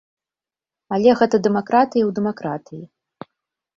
Але гэта дэмакратыя ў дэмакратыі.